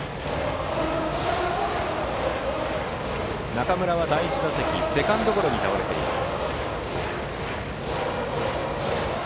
中村は第１打席セカンドゴロに倒れています。